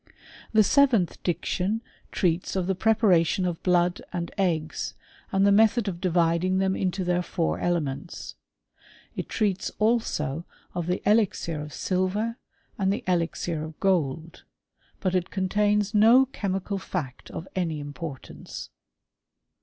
The seventh diction treats of the preparation of blood and eggs, and the method of dividing them intd^ their four elements. It treats also of the elixir of silv^^* and the elixir of gold ; but it contains no chemical fact of any importance.